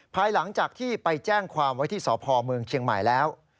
ภายหลังจากที่ไปแจ้งความไว้ที่สพเมืองเชียงใหม่แล้ว